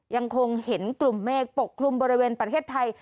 ยังคงเห็นกลุ่มเมฆปกคลุมบริเวณประเทศไทย